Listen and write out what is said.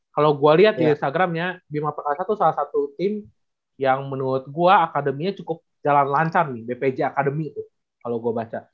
kalau gue lihat di instagramnya bima perkasa tuh salah satu tim yang menurut gue akademinya cukup jalan lancar nih bpj akademi tuh kalau gue baca